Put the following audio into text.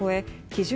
基準